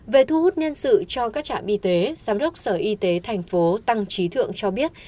về thu hút nhân sự cho các trạm y tế giám đốc sở y tế thành phố tăng trí thượng cho biết